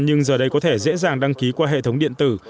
nhưng giờ đây có thể dễ dàng đăng ký qua hệ thống điện tử